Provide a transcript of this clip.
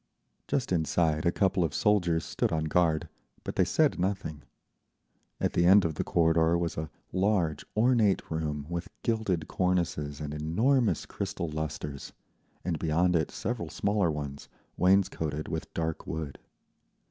Just inside a couple of soldiers stood on guard, but they said nothing. At the end of the corridor was a large, ornate room with gilded cornices and enormous crystal lustres, and beyond it several smaller ones, wainscoted with dark wood.